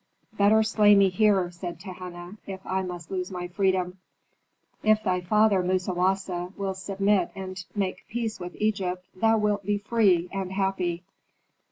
"Better slay me here," said Tehenna, "if I must lose my freedom." "If thy father, Musawasa, will submit and make peace with Egypt, thou wilt be free and happy."